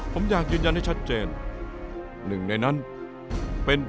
ผมอยากเย็นให้ชัดเจน